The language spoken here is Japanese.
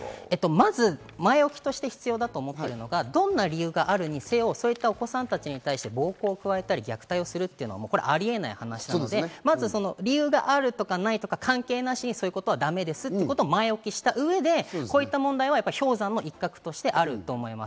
まず前置きとして必要なのはどんな理由があるにせよ、そういったお子さん達に対して暴行を加えたり、虐待するのはあり得ない話なので、理由があるとかないとか関係なしにそういうことはだめですってことを前置きした上で、こういった問題は氷山の一角としてあると思います。